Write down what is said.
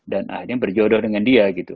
dan hanya berjodoh dengan dia gitu